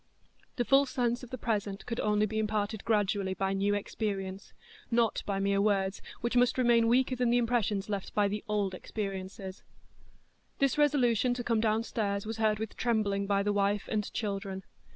The full sense of the present could only be imparted gradually by new experience,—not by mere words, which must remain weaker than the impressions left by the old experience. This resolution to come downstairs was heard with trembling by the wife and children.